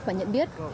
và nhận biết